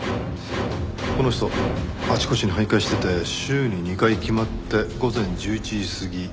この人あちこちに徘徊してて週に２回決まって午前１１時過ぎ